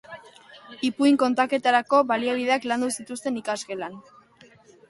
Ipuin-kontaketarako baliabideak landu zituzten ikasgelan.